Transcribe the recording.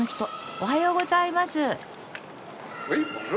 おはようございます。